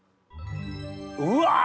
うわ！